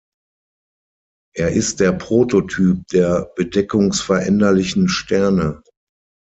Er ist der Prototyp der bedeckungsveränderlichen Sterne.